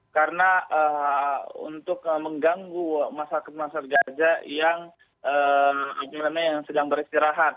karena untuk mengganggu masyarakat masarjaja yang sedang beristirahat